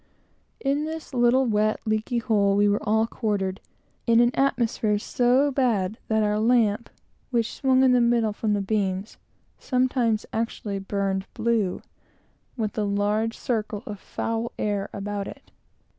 In this little, wet, leaky hole, we were all quartered, in an atmosphere so bad that our lamp, which swung in the middle from the beams, sometimes actually burned blue, with a large circle of foul air about it.